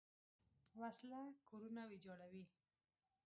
وسله کورونه ویجاړوي